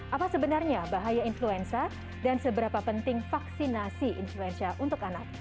apa sebenarnya bahaya influenza dan seberapa penting vaksinasi influenza untuk anak